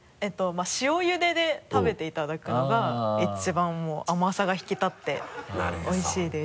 塩ゆでで食べていただくのが一番もう甘さが引き立っておいしいです。